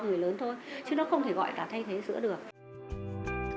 chứ nó không thể gọi là thay thế sữa được